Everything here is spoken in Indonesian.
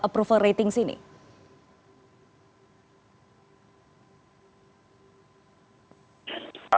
atau hasil hasil survei semacam ini ya